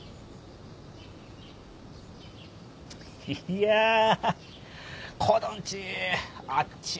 いやぁ子どんちあっちい